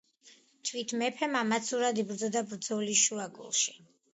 თვით მეფე მამაცურად იბრძოდა ბრძოლის შუაგულში.